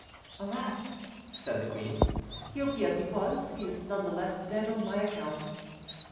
"Alas!" said the queen, "guilty as he was, he is none the less dead on my account."